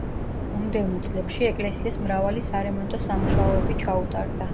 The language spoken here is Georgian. მომდევნო წლებში ეკლესიას მრავალი სარემონტო სამუშაოები ჩაუტარდა.